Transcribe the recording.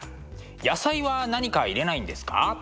野菜は何か入れないんですか？